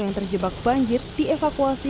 yang terjebak banjir dievakuasi